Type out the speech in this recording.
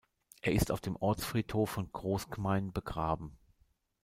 Er ist auf dem Ortsfriedhof von Großgmain begraben.